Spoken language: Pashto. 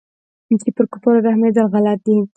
چې پر كفارو رحمېدل غلط دي.